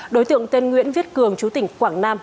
đối tượng tên nguyễn viết cường chú tỉnh quảng nam